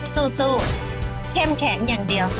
สู้เข้มแข็งอย่างเดียว